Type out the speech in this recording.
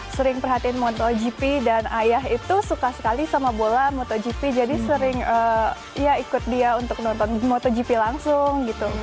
sering perhatiin motogp dan ayah itu suka sekali sama bola motogp jadi sering ya ikut dia untuk nonton motogp langsung gitu